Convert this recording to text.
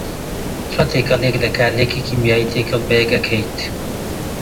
چۆن تێکەڵیەک لە کارلێکی کیمیایی تێکەڵ بەیەک ئەکەیت